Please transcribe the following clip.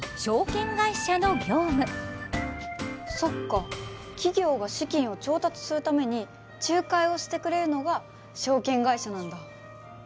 そっか企業が資金を調達するために仲介をしてくれるのが証券会社なんだ。